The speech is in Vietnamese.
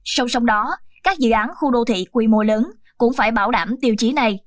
sông sông đó các dự án khu đô thị quy mô lớn cũng phải bảo đảm tiêu chí này